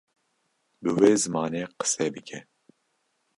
bi wê zimanê qise bike